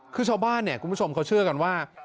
คือชาวบ้านเนี่ยคุณผู้ชมเขาเชื่อกันว่า